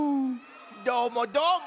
どーもどーも。